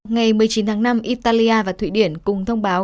ngày một mươi chín tháng năm italia và thụy điển cùng thông báo